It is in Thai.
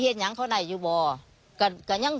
ดนตรีเทพธารแสดง